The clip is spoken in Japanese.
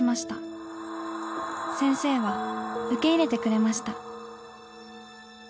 先生は受け入れてくれました」。